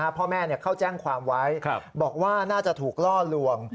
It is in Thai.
พ่อแม่เขาแจ้งความไว้บอกว่าน่าจะถูกล่อลวง